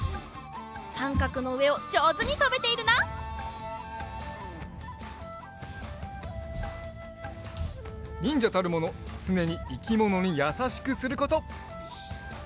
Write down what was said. さんかくのうえをじょうずにとべているな。にんじゃたるものつねにいきものにやさしくすること。